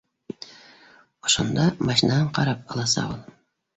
Ошонда машинаһын ҡарап аласаҡ ул